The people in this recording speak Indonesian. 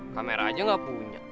kameranya gak punya